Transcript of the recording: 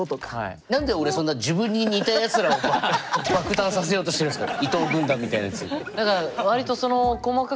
何で俺そんな自分に似たヤツらを爆誕させようとしてるんですか。